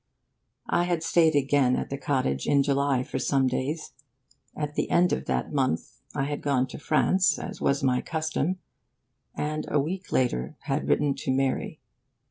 I had stayed again at the cottage in July, for some days. At the end of that month I had gone to France, as was my custom, and a week later had written to Mary.